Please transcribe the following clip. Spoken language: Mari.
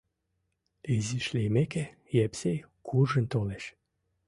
Изиш лиймеке, Епсей куржын толеш.